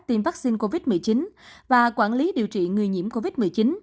tiêm vaccine covid một mươi chín và quản lý điều trị người nhiễm covid một mươi chín